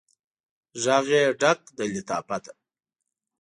ږغ یې ډک د لطافته